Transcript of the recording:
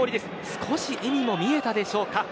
少し笑みも見えたでしょうか。